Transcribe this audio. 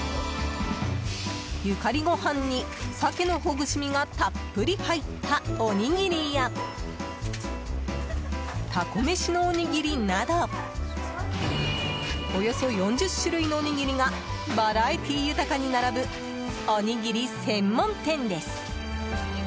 ゆかりご飯にサケのほぐし身がたっぷり入ったおにぎりやタコ飯のおにぎりなどおよそ４０種類のおにぎりがバラエティー豊かに並ぶおにぎり専門店です。